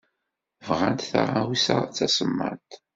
Bɣant taɣawsa d tasemmaḍt.